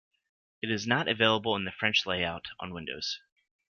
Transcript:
It is not available in the French layout on Windows.